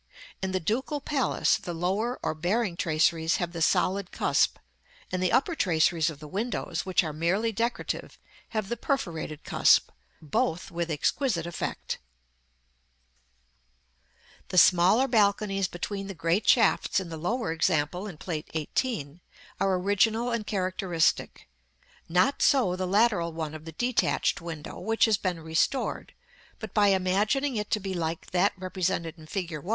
In the Ducal Palace, the lower or bearing traceries have the solid cusp, and the upper traceries of the windows, which are merely decorative., have the perforated cusp, both with exquisite effect. [Illustration: Plate XVIII. WINDOWS OF THE FIFTH ORDER.] § XLV. The smaller balconies between the great shafts in the lower example in Plate XVIII. are original and characteristic: not so the lateral one of the detached window, which has been restored; but by imagining it to be like that represented in fig.